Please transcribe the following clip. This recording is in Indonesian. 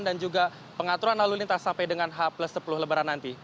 dan juga pengaturan lalu lintas sampai dengan h plus sepuluh lebaran nanti